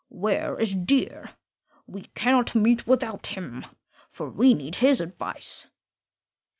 Where is Deer? We cannot meet without him, for we need his advice."